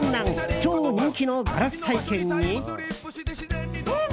超人気のガラス体験に。